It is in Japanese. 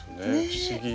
不思議。